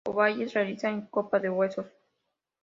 Ovalles realiza en "Copa de Huesos.